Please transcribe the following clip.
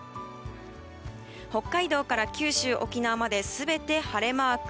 北海道から九州、沖縄まで全て晴れマーク。